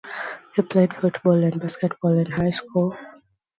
He played football and basketball in high school.